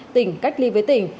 tỉnh cách ly với tỉnh